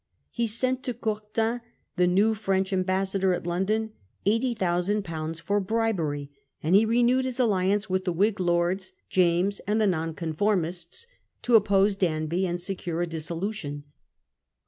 He sent to Courtin, the new French ambassador at London, 80,000/. for bribery, and he renewed his alliance with the Whig lords, James, and the Nonconformists, to oppose Danby and secure a dissolution.